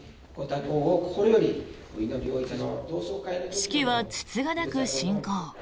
式はつつがなく進行。